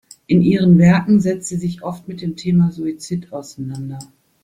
In ihren Werken setzt sie sich oft mit dem Thema Suizid auseinander.